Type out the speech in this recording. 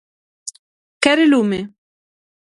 quere lume?